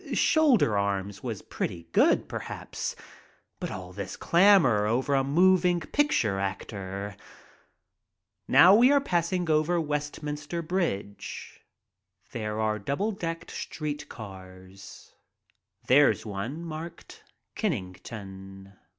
"Shoulder Arms" was pretty good, perhaps, but all this clamor over a moving picture actor! Now we are passing over Westminster Bridge. There are double decked street cars. There's one marked "Kenn ington."